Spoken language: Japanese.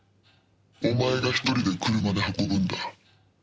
お前が１人で車で運ぶんだ」